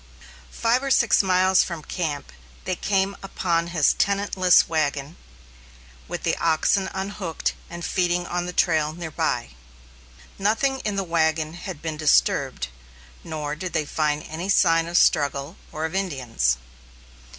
Five or six miles from camp, they came upon his tenantless wagon, with the oxen unhooked and feeding on the trail near by. Nothing in the wagon had been disturbed, nor did they find any sign of struggle, or of Indians.